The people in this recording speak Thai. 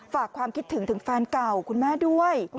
ฝากความคิดถึงถึงแฟนเก่าคุณแม่ด้วย